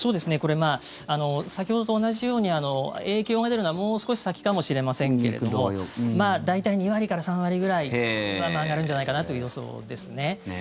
これは先ほどと同じように影響が出るのはもう少し先かもしれませんが大体、２割から３割ぐらいは上がるんじゃないかなという予想ですね。